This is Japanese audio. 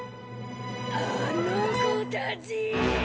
あの子たちぃ！